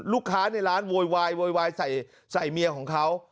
ลูกค้าในร้านโวยวายโวยวายใส่เมียของเขา